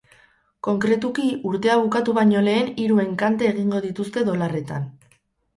Konkretuki, urtea bukatu baino lehen hiru enkante egingo dituzte dolarretan.